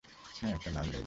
হ্যাঁ, একটা লাল লেজ।